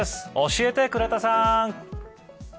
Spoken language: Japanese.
教えて倉田さん。